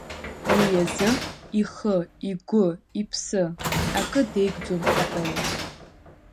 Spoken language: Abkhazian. Уи азы ихы, игәы, иԥсы, акы деигӡом апоет…